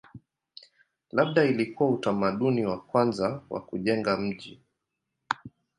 Labda ilikuwa utamaduni wa kwanza wa kujenga miji.